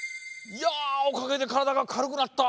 いやおかげでからだがかるくなった。